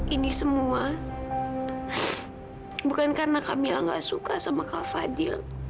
ini semua bukan karena kamila tidak suka sama kak fadil